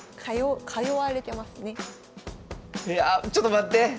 いやちょっと待って！